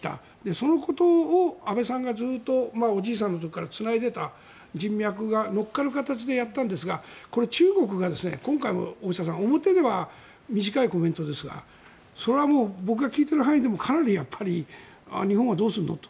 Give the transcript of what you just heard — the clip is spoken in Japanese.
そのことを安倍さんがずっとおじいさんの時からつないでいた人脈が乗っかる形でやったんですがこれ、中国が今回も、大下さん表では短いコメントですがそれは僕が聞いてる範囲でも日本はどうするのと。